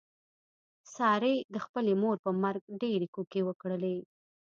سارې د خپلې مور په مرګ ډېرې کوکې وکړلې.